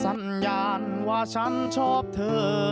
สัญญาณว่าฉันชอบเธอ